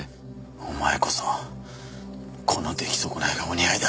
お前こそこの出来損ないがお似合いだ。